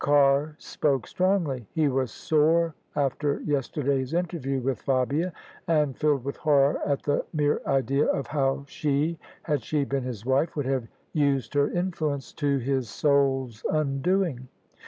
Carr spoke strongly. He was sore after yesterday's interview with Fabia, and filled with horror at the mere idea of how she — ^had she been his wife — ^would have used her influence to his soul's undoing.